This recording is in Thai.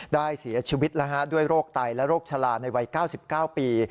ได้เสียชีวิตด้วยโรคไตและโรคชะลาในวัย๙๙ปี